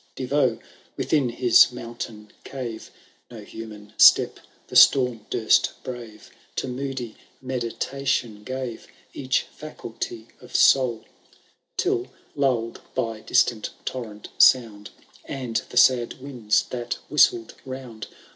De Vaux, within his mountain cave, (No human step the storm durst brave,) To moody meditation gave i Each faculty of soul,^ | Till, luird by distant torrent sound. And the sad winds that whistled round.